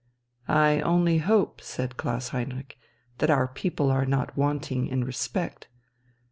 "I only hope," said Klaus Heinrich, "that our people are not wanting in respect...."